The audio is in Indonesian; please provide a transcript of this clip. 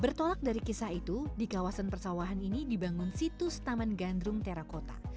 bertolak dari kisah itu di kawasan persawahan ini dibangun situs taman gandrung terakota